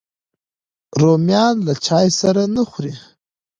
رومیان له چای سره نه خوري